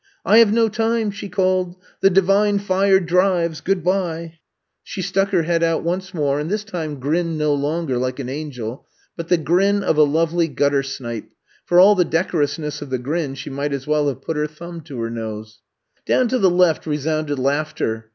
I have no time," she called. "The Divine Fire drives, good by!" 16 I'VE COME TO STAY She stuck her head out once more and this time grinned no longer like an angel, but the grin of a lovely guttersnipe ; for all the decorousness of the grin she might as well have put her thumb to her nose. Down to the left resounded laughter.